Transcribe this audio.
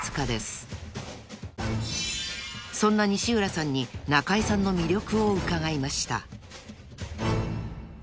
［そんな西浦さんに中井さんの魅力を伺いました］